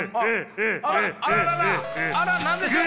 あら何でしょう？